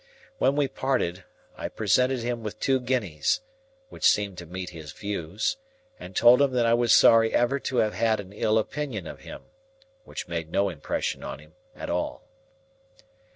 When we parted, I presented him with two guineas (which seemed to meet his views), and told him that I was sorry ever to have had an ill opinion of him (which made no impression on him at all).